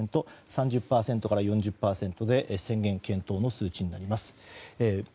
３０％から４０％で宣言検討の数値になります。